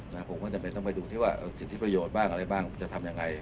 ที่จะมีวัฒนธรรมดุว่าชิดที่ประโยชน์บ้างอะไรบ้างจะทำยังไง